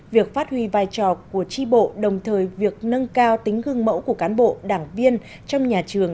việc phát huy vai trò của tri bộ đồng thời việc nâng cao tính gương mẫu của cán bộ đảng viên trong nhà trường